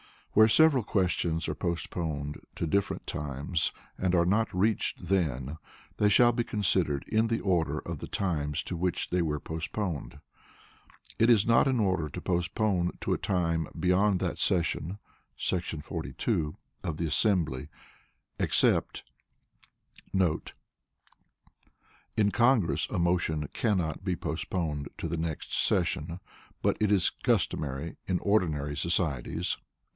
Where several questions are postponed to different times and are not reached then, they shall be considered in the order of the times to which they were postponed. It is not in order to postpone to a time beyond that session [§ 42] of the assembly, except* [In Congress a motion cannot be postponed to the next session, but it is customary in ordinary societies.